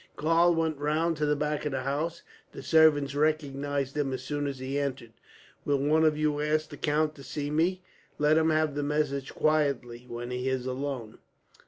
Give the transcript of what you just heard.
Karl went round to the back of the house. The servants recognized him as soon as he entered. "Will one of you ask the count to see me? Let him have the message quietly, when he is alone."